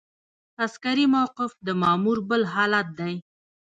عسکري موقف د مامور بل حالت دی.